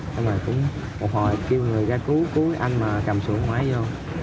xong rồi cũng một hồi kêu người ra cứu cứu anh mà cầm sữa ngoái vô